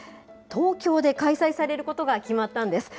東京で開催されることが決まったんです。